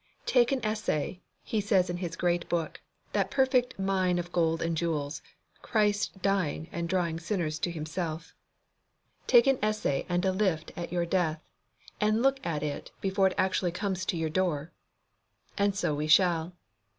"Take an essay," he says in his greatest book, that perfect mine of gold and jewels, Christ Dying and Drawing Sinners to Himself "Take an essay and a lift at your death, and look at it before it actually comes to your door." And so we shall.